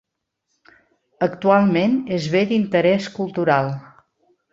Actualment és Bé d'Interès Cultural.